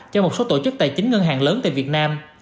cho một số tổ chức tài chính ngân hàng lớn tại việt nam